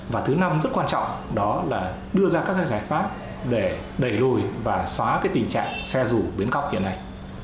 và thứ năm rất quan trọng đó là đưa ra các giải pháp để đẩy lùi và xóa tình trạng xe rủ biến góc hiện nay